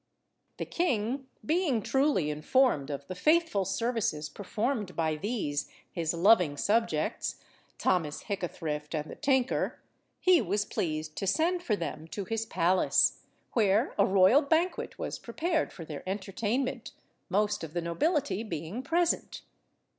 The king, being truly informed of the faithful services performed by these his loving subjects, Thomas Hickathrift and the tinker, he was pleased to send for them to his palace, where a royal banquet was prepared for their entertainment, most of the nobility being present.